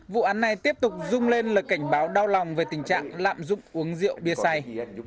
vụ án này tiếp tục rung lên lời cảnh báo đau lòng về tình trạng lạm dụng uống rượu bia sai